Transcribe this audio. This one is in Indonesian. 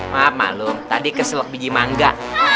maaf malu tadi keselak biji mangga